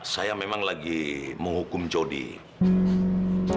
saya memang lagi menghukum jody